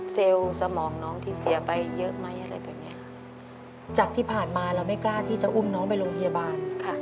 เซลล์สมองน้องที่เสียไปเยอะไหมอะไรแบบนี้ครับ